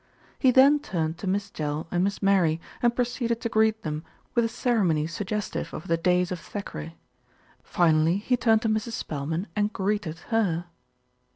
He then turned to Miss Tell and Miss Mary, and proceeded to greet them with a ceremony sug 108 THE RETURN OF ALFRED gestive of the days of Thackeray; finally he turned to Mrs. Spelman and "greeted" her.